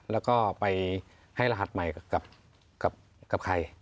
แล้วก็ไปให้รหัสใหม่กับใคร